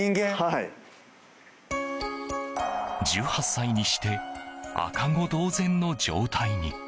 １８歳にして赤子同然の状態に。